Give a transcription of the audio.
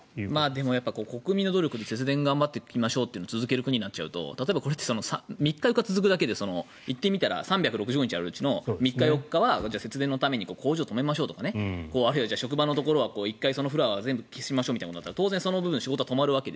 でもやっぱり国民の努力で節電頑張っていきましょうというのを続ける国になっちゃうとこれって３日、４日続いたら３６５日あるうちの３日、４日は節電のために工場を止めましょうとかあるいは職場のところは１回そのフロアは消しましょうとなったら当然、その分、仕事は止まる。